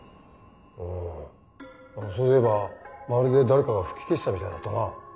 うんそういえばまるで誰かが吹き消したみたいだったな。